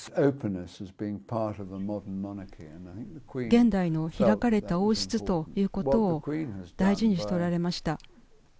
現代の開かれた王室ということを大事にしておられました。